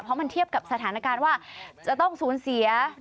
เพราะมันเทียบกับสถานการณ์ว่าจะต้องสูญเสีย